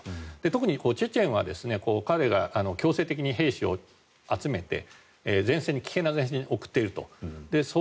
特にチェチェンは彼が強制的に兵士を集めて危険な前線に送っていると。